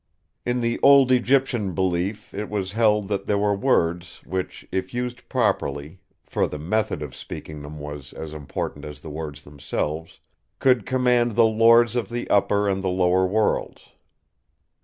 "In the old Egyptian belief it was held that there were words, which, if used properly—for the method of speaking them was as important as the words themselves—could command the Lords of the Upper and the Lower Worlds.